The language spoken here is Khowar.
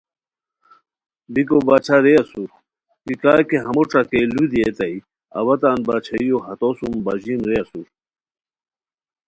بیکو باچھا رے اسور کی کاکی ہمو ݯاکے لودیتائے اوا تان باچھائیو ہتوسوم باژیم رے اسور